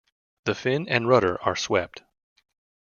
The fin and rudder are swept.